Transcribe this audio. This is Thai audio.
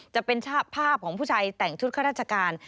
จะเป็นภาพของผู้ชายแต่งชุดข้าราชการ